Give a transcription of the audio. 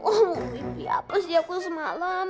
oh ini apa sih aku semalam